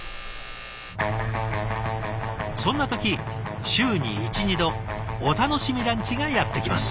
そんな時週に１２度お楽しみランチがやってきます。